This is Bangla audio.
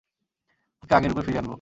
ওকে আগের রূপে ফিরিয়ে আনবো।